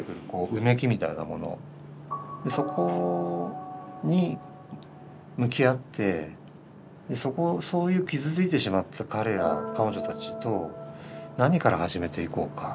そこに向き合ってそういう傷ついてしまった彼ら彼女たちと何から始めていこうか。